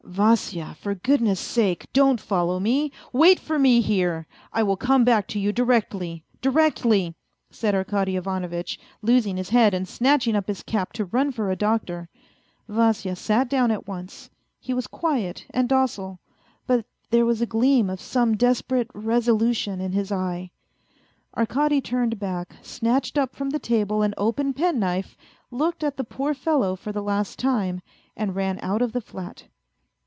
" Vasya, for goodness' sake, don't follow me ! Wait for me here. I will come back to you directly, directly," said Arkady Ivanovitch, losing his head and snatching up his cap to run for a doctor. Vasya sat down at once, he was quiet and docile ; but there was a gleam of some desperate resolution in his eye. Arkady turned back, snatched up from the table an open pen knife, looked at the poor fellow for the last time, and ran out of the flat.